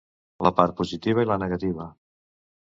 La part positiva i la negativa.